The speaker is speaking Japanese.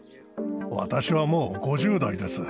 私はもう５０代です。